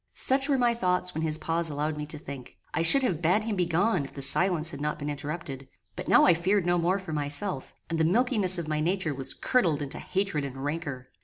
Such were my thoughts when his pause allowed me to think. I should have bad him begone if the silence had not been interrupted; but now I feared no more for myself; and the milkiness of my nature was curdled into hatred and rancour.